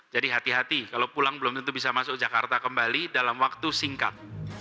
jadi hati hati kalau pulang belum tentu bisa masuk jakarta kembali dalam waktu singkat